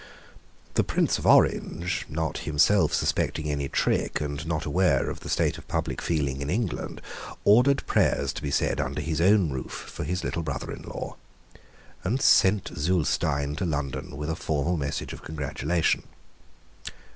The Prince of Orange, not himself suspecting any trick, and not aware of the state of public feeling in England, ordered prayers to be said under his own roof for his little brother in law, and sent Zulestein to London with a formal message of congratulation.